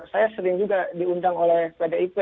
saya sering juga diundang oleh pdip